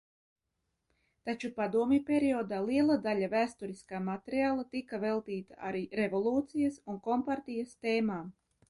Taču padomju periodā liela daļa vēsturiskā materiāla tika veltīta arī revolūcijas un kompartijas tēmām.